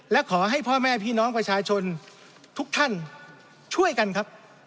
และขอให้พ่อแม่พี่น้องประชาชนทุกท่านช่วยกันครับ